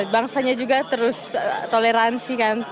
bangsanya juga terus toleransi kan